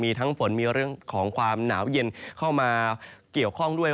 มีทั้งฝนมีเรื่องของความหนาวเย็นเข้ามาเกี่ยวข้องด้วย